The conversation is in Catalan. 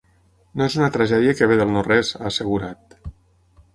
No és una tragèdia que ve del no-res, ha assegurat.